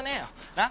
なっ。